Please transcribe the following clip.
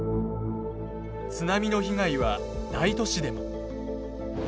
津波の被害は大都市でも。